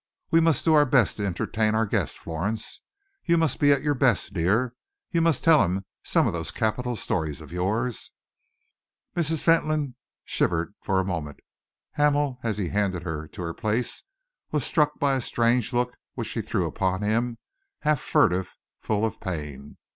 We must do our best to entertain our guest, Florence. You must be at your best, dear. You must tell him some of those capital stories of yours." Mrs. Fentolin shivered for a moment. Hamel, as he handed her to her place, was struck by a strange look which she threw upon him, half furtive, full of pain.